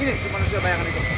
ini manusia bayangan itu